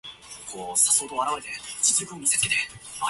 The first figures were made of flat cardboard cut out of a long strip.